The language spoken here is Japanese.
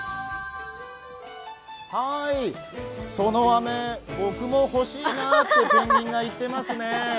そのあめ、僕も欲しいなってペンギンが言ってますね。